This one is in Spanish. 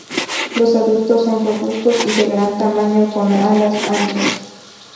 Los adultos son robustos y de gran tamaño, con alas anchas.